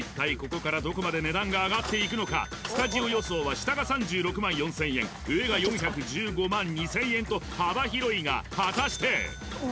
ここからどこまで値段が上がっていくのかスタジオ予想は下が３６万４０００円上が４１５万２０００円と幅広いが果たして？